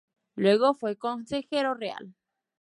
Luego fue Consejero Real.